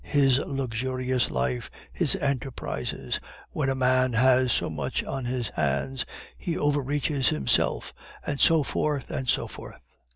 His luxurious life, his enterprises! When a man has so much on his hands, he overreaches himself, and so forth, and so forth.